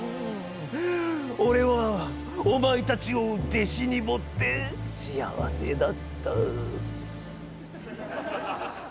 俺はお前たちを弟子に持って幸せだった！